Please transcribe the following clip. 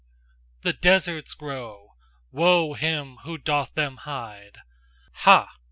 THE DESERTS GROW: WOE HIM WHO DOTH THEM HIDE! Ha!